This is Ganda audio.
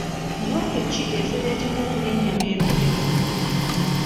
Ndwadde ki ezireetebwa okulya ennyama eruddewo?